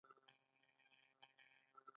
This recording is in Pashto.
آیا د بیان ازادي خوندي ده؟